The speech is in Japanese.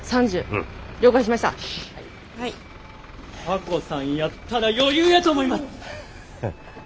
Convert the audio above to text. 亜子さんやったら余裕やと思います！ＯＫ。